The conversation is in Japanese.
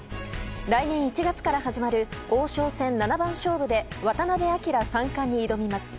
来年１月から始まる王将戦七番勝負で渡辺明三冠に挑みます。